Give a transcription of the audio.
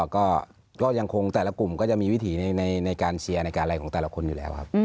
ก็ยังคงแต่ละกลุ่มก็จะมีวิถีในการเชียร์ในการอะไรของแต่ละคนอยู่แล้วครับ